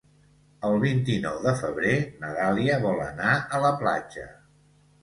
El vint-i-nou de febrer na Dàlia vol anar a la platja.